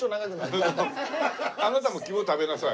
あなたも肝食べなさい。